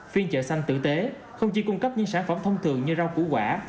phiên chợ xanh tử tế không chỉ cung cấp những sản phẩm thông thường như rau củ quả